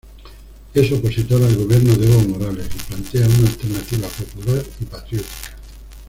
Es opositor al gobierno de Evo Morales y plantea una alternativa popular y patriótica.